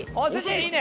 いいね。